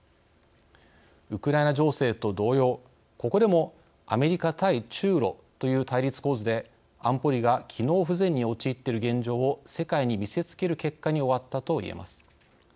ウクライナ情勢と同様ここでもアメリカ対中ロという対立構図で安保理が機能不全に陥っている現状を世界に見せつける結果に終わったといえます。